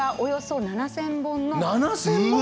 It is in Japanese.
７，０００本！